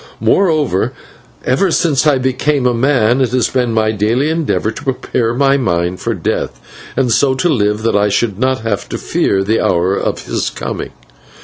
Moreover, ever since I became a man it has been my daily endeavour to prepare my mind for Death, and so to live that I should not have to fear the hour of his coming.